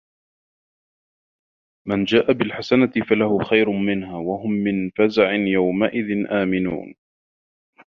مَن جاءَ بِالحَسَنَةِ فَلَهُ خَيرٌ مِنها وَهُم مِن فَزَعٍ يَومَئِذٍ آمِنونَ